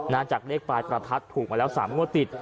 น่าจากเลขประทัดถูกมาแล้ว๓งวดติด